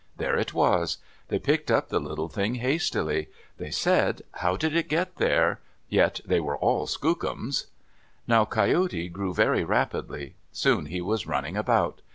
There it was. They picked up the little thing hastily. They said, "How did it get there?" yet they were all skookums. Now Coyote grew very rapidly. Soon he was running about.